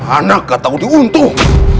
anak gak tahu diuntung